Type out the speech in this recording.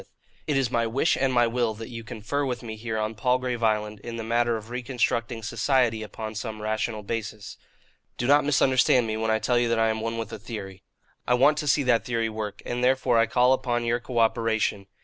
It is my wish and my will that you confer with me here on Palgrave Island in the matter of reconstructing society upon some rational basis. "Do not misunderstand me, when I tell you that I am one with a theory. I want to see that theory work, and therefore I call upon your cooperation.